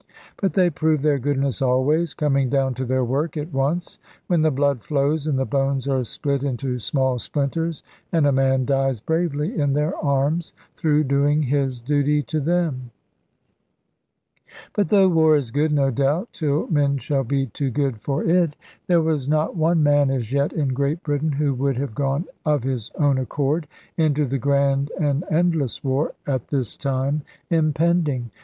But they prove their goodness always, coming down to their work at once, when the blood flows, and the bones are split into small splinters, and a man dies bravely in their arms, through doing his duty to them. But though war is good, no doubt (till men shall be too good for it), there was not one man as yet in Great Britain, who would have gone of his own accord into the grand and endless war at this time impending.